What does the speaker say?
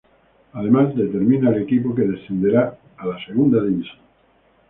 Además, determina el equipo que descenderá a la segunda división.